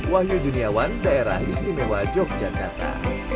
wahyu juniawan daerah istimewa jogja kata